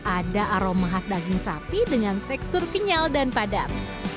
ada aroma khas daging sapi dengan tekstur kenyal dan padat